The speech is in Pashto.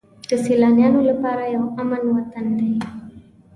د سیلانیانو لپاره یو امن وطن دی.